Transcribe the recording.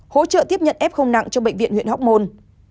hỗ trợ tiếp nhận f nặng cho bệnh viện huyện hóc môn